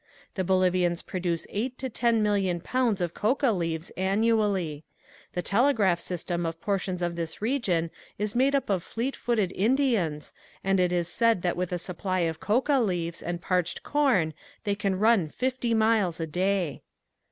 The Bolivians produce eight to ten million pounds of coca leaves annually. The telegraph system of portions of this region is made up of fleet footed Indians and it is said that with a supply of coca leaves and parched corn they can run fifty miles a day.